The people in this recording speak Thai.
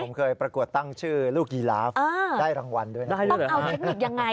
ใช่ผมเคยประกวดตั้งชื่อลูกยีราฟได้รางวัลด้วย